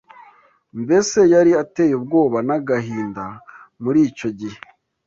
mbese yari ateye ubwoba n’agahinda muricyo gihe